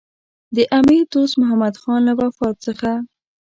د امیر دوست محمدخان له وفات څخه.